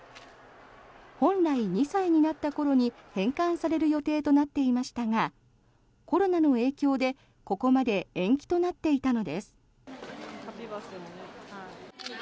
本来、２歳になった頃に返還される予定となっていましたがコロナの影響でここまで延期となっていたのです。